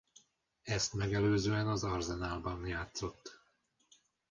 Ezt megelőzően az Arsenalban játszott.